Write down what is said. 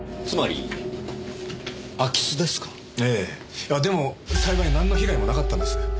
いやでも幸いなんの被害もなかったんです。